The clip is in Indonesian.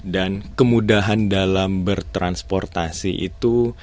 dan kemudahan dalam bertransportasi itu